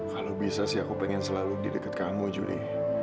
kalau bisa sih aku pengen selalu di dekat kamu juli